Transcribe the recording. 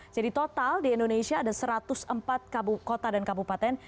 jadi total di indonesia ada satu ratus empat kota dan kabupaten